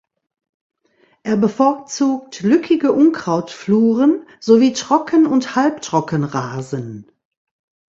Er bevorzugt lückige Unkrautfluren sowie Trocken- und Halbtrockenrasen.